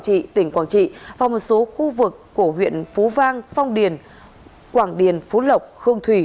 trị tỉnh quảng trị và một số khu vực của huyện phú vang phong điền quảng điền phú lộc hương thủy